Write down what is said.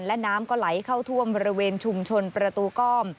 และน้ำก็ไหลเข้าท่วมบริเวณชุมชนประตูก้อม